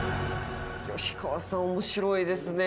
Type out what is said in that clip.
吉川さん面白いですね。